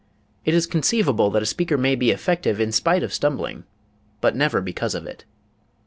It is conceivable that a speaker may be effective in spite of stumbling but never because of it.